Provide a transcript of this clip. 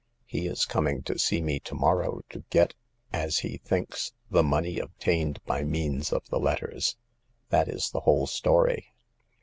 He is coming to see me to mor row, to get— as he thinks— the money obtained by means of the letters. That is the whole story."